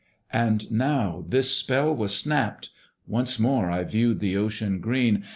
And now this spell was snapt: once more I viewed the ocean green.